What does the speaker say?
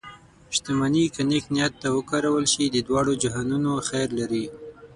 شتمني که نیک نیت ته وکارول شي، د دواړو جهانونو خیر لري.